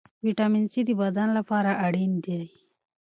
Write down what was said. ویټامین سي د بدن لپاره اړین دی.